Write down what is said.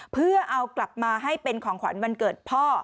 เพื่อเอากลับมาให้เป็นของขวัญวันเกิดพ่อ